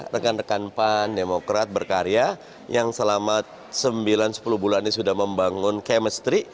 rekan rekan pan demokrat berkarya yang selama sembilan sepuluh bulan ini sudah membangun chemistry